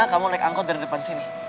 kamu naik angkot dari depan sini